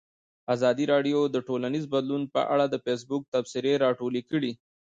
ازادي راډیو د ټولنیز بدلون په اړه د فیسبوک تبصرې راټولې کړي.